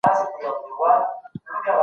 کتاب لوستل د ذهن لپاره ښه ورزش دی.